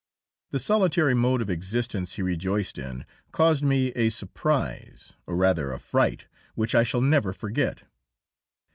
The solitary mode of existence he rejoiced in caused me a surprise, or rather a fright, which I shall never forget.